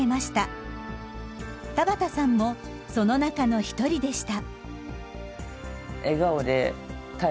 田畑さんもその中の一人でした。